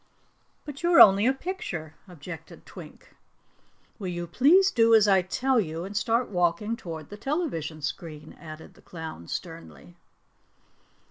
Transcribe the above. "But you're only a picture," objected Twink. "Will you please do as I tell you and start walking toward the television screen?" asked the clown sternly.